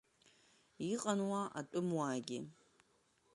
Иҟан уа атәымуаагьы.